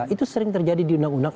itu sering terjadi di undang undang